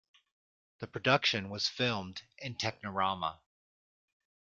The production was filmed in Technirama.